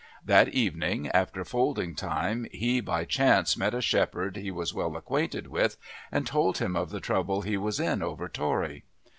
That evening after folding time he by chance met a shepherd he was well acquainted with and told him of the trouble he was in over Tory.